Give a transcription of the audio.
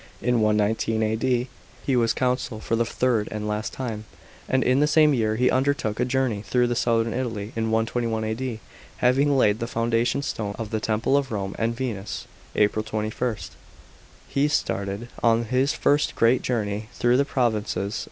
In 119 A.D. he was consul for the third, and last time, and in the same year he undertook a journey through southern Italy. In 121 A.D., having laid the foundation stone of the Temple of Rome and Venus (April 21), he started on his first great journey through the provinces.